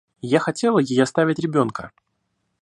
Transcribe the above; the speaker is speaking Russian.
Я хотела ей оставить ребенка.